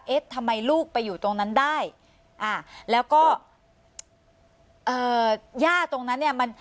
เอ๊ะทำไมลูกไปอยู่ตรงนั้นได้อ่าแล้วก็เอ่อย่าตรงนั้นเนี่ยมัน